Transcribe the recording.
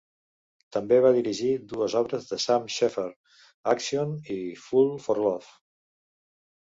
També va dirigir dues obres de Sam Shepherd: "Action" i "Fool for Love".